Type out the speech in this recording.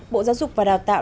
bộ giáo dục và đào tạo